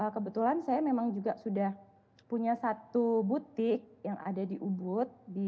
kebetulan saya memang juga sudah punya satu butik yang ada di ubud